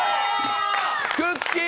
くっきー！